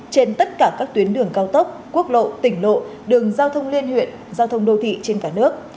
trên tất cả các tuyến đường cao tốc quốc lộ tỉnh lộ đường giao thông liên huyện giao thông đô thị trên cả nước